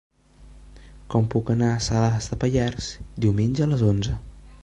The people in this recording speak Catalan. Com puc anar a Salàs de Pallars diumenge a les onze?